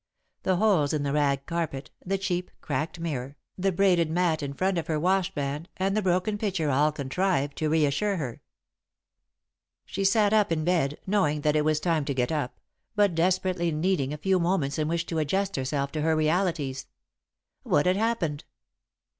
The holes in the rag carpet, the cheap, cracked mirror, the braided mat in front of her washstand, and the broken pitcher all contrived to reassure her. [Sidenote: The Fair Future] She sat up in bed, knowing that it was time to get up, but desperately needing a few moments in which to adjust herself to her realities. What had happened?